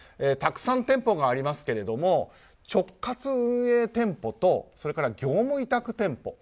たくさん店舗がありますけれども直轄運営店舗と業務委託店舗